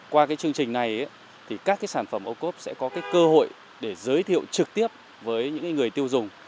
qua chương trình này các sản phẩm ô cốp sẽ có cơ hội giới thiệu trực tiếp với người tiêu dùng